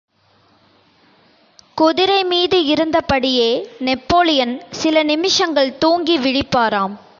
குதிரைமீது இருந்தபடியே, நெப்போலியன் சில நிமிஷங்கள் தூங்கி விழிப்பாராம்.